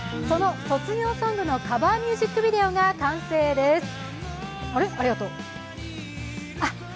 その卒業ソングのカバーミュージックビデオが完成です。